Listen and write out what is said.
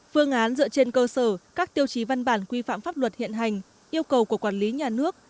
phương án dựa trên cơ sở các tiêu chí văn bản quy phạm pháp luật hiện hành yêu cầu của quản lý nhà nước